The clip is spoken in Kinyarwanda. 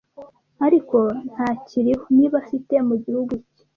ariko ntakiriho niba afite mugihugu cye